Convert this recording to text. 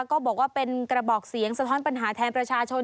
ก็บอกว่าเป็นกระบอกเสียงสะท้อนปัญหาแทนประชาชน